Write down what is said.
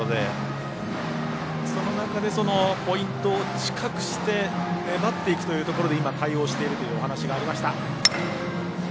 その中でポイントを近くして粘っていくというところで対応していくというお話がありました。